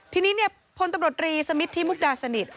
ทีนี้เนี่ยพลตำรวจรีสมิทที่มุกดาสนิท